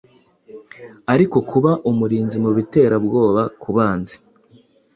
Ariko kuba umurinzimubiterabwoba kubanzi